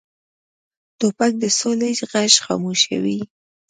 توپک د سولې غږ خاموشوي.